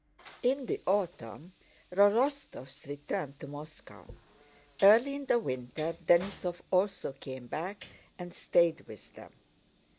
In the autumn the Rostóvs returned to Moscow. Early in the winter Denísov also came back and stayed with them.